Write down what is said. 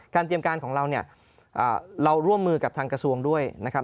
เตรียมการของเราเนี่ยเราร่วมมือกับทางกระทรวงด้วยนะครับ